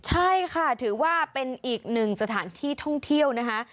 ใช่ค่ะถือว่าเป็นอีกหนึ่งสถานที่ท่องเที่ยวนะคะ